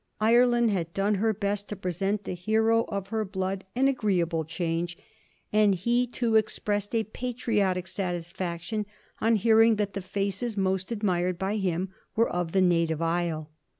Ireland had done her best to present the hero of her blood an agreeable change; and he too expressed a patriotic satisfaction on hearing that the faces most admired by him were of the native isle.